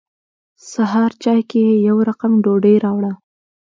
سهار چای کې یې يو رقم ډوډۍ راوړه.